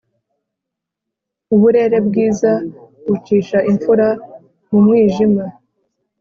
Uburere bwiza bucisha imfura mu mwijima.